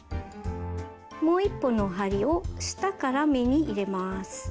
もう一本の針を下から目に入れます。